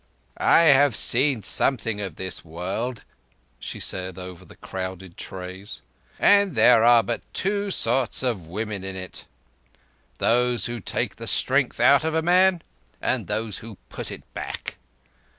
"I have seen something of this world," she said over the crowded trays, "and there are but two sorts of women in it—those who take the strength out of a man and those who put it back.